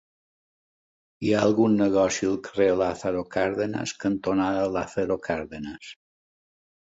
Hi ha algun negoci al carrer Lázaro Cárdenas cantonada Lázaro Cárdenas?